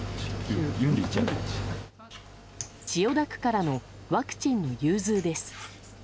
千代田区からのワクチンの融通です。